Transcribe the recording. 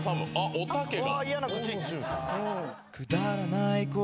おたけが。